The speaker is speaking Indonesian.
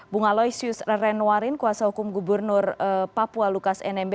bung aloysius renwarin kuasa hukum gubernur papua lukas nmb